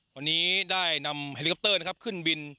วันนี้ได้นำเฮลิคอปเตอร์นะครับขึ้นบิน